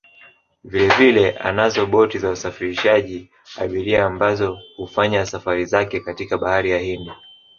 Vilevile anazo boti za usafirishaji abiria ambazo hufanya safari zake katika Bahari ya Hindi